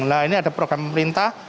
nah ini ada program pemerintah